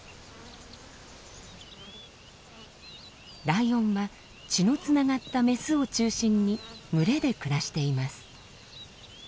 ライオンは血のつながったメスを中心に群れで暮らしています。